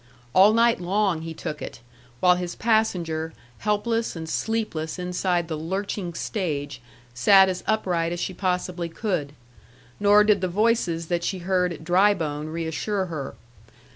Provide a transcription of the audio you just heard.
All night long he took it, while his passenger, helpless and sleepless inside the lurching stage, sat as upright as she possibly could; nor did the voices that she heard at Drybone reassure her.